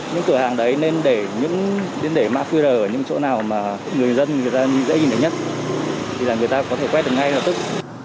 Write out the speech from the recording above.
những cửa hàng đấy nên để mã qr ở những chỗ nào mà người dân người ta dễ nhìn thấy nhất thì là người ta có thể quét được ngay lập tức